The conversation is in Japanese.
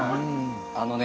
あのね